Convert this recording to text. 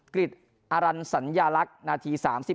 กฤษอรรรณสัญญาลักษณ์นาที๓๖